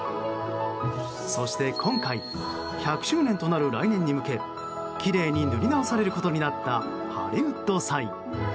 そして今回１００周年となる来年に向けきれいに塗り直されることになったハリウッド・サイン。